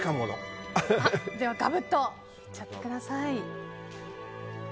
ではがぶっといっちゃってください。